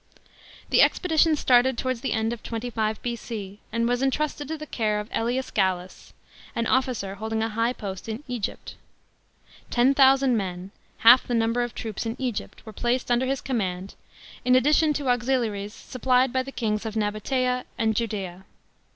The expedition started towards the end of 25 R.C., and was entrusted to the care of JElius Gallus, an officer holding a high post in Egypt.f Ten thousand men, half the number of troops in Egypt, were placed under his command, in addition to auxiliaries supplied by the kings of Nabatea and Judea.